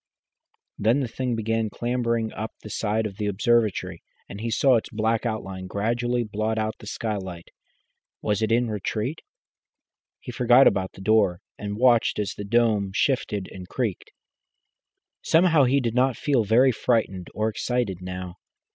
Then the thing began clambering up the side of the observatory, and he saw its black outline gradually blot out the skylight. Was it in retreat? He forgot about the door, and watched as the dome shifted and creaked. Somehow he did not feel very frightened or excited now.